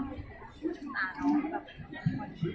เวลาแรกพี่เห็นแวว